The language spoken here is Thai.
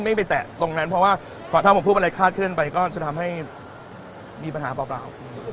ไม่ไปแตะตรงนั้นเพราะว่าพอถ้าผมพูดอะไรคาดเคลื่อนไปก็จะทำให้มีปัญหาเปล่า